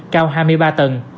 cao hai mươi ba tầng